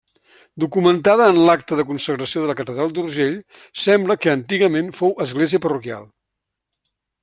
Documentada en l'acta de consagració de la catedral d'Urgell, sembla que antigament fou església parroquial.